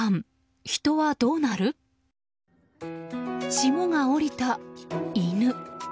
霜が降りた、犬。